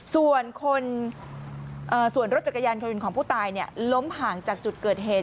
ส่วนรถจักรยานของผู้ตายล้มห่างจากจุดเกิดเหตุ